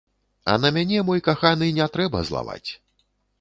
А на мяне, мой каханы, не трэба злаваць.